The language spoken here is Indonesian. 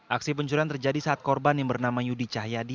aksi pencurian terjadi saat korban yang bernama yudi cahyadi